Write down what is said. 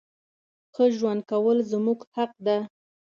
ښه ژوند کول زمونږ حق ده.